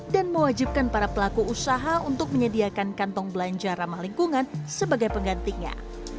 dan mewajibkan para pelaku usaha untuk menyediakan kantong belanja ramah lingkungan sebagai penggantinya